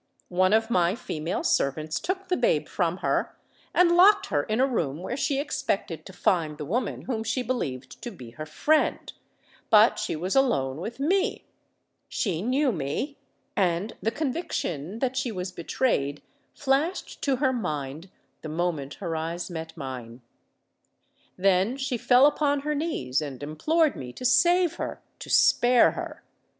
One of my female servants took the babe from her, and locked her in a room where she expected to find the woman whom she believed to be her friend. But she was alone with me! She knew me—and the conviction that she was betrayed flashed to her mind the moment her eyes met mine. Then she fell upon her knees, and implored me to save her—to spare her.